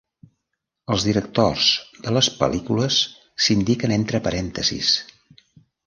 Els directors de les pel·lícules s'indiquen entre parèntesis.